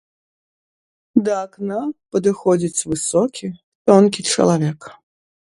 Да акна падыходзіць высокі, тонкі чалавек.